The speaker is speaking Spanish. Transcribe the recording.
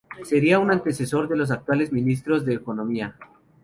Sería un antecesor de los actuales ministros de Economía.